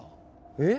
えっ？